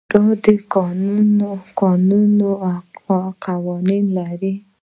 کاناډا د کانونو قوانین لري.